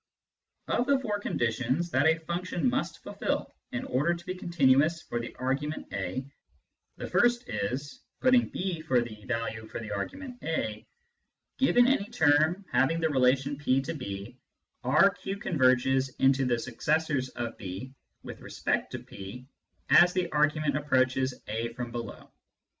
Of the four conditions that a function must fulfil in order to be continuous for the argument a, the first is, putting b for the value for the argument a : 1 1 6 Introduction to Mathematical Philosophy Given any term having the relation P to b, R Q converges into the successors of b (with respect to P) as the argument approaches a from below.